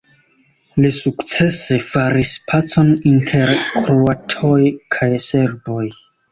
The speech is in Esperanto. Li sukcese faris pacon inter kroatoj kaj serboj.